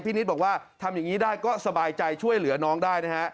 นิดบอกว่าทำอย่างนี้ได้ก็สบายใจช่วยเหลือน้องได้นะฮะ